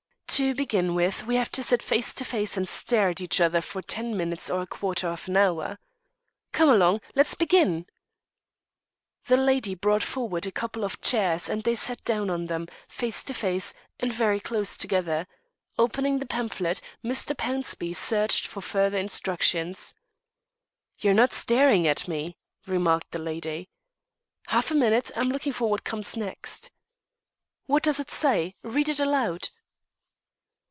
"To begin with, we have to sit face to face and stare at each other for ten minutes or a quarter of an hour." "Come along! Let's begin." The lady brought forward a couple of chairs and they sat down on them, face to face; and very close together. Opening the pamphlet, Mr. Pownceby searched for further instructions. "You're not staring at me," remarked the lady. "Half a minute; I'm looking for what comes next." "What does it say? Read it aloud."